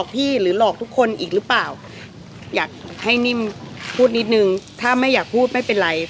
พูดนิดนึงถ้าไม่อยากพูดไม่เป็นไร